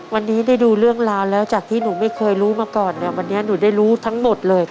วันนี้ได้ดูเรื่องราวแล้วจากที่หนูไม่เคยรู้มาก่อนเนี่ยวันนี้หนูได้รู้ทั้งหมดเลย